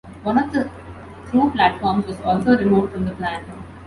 One of the through platforms was also removed from the plan.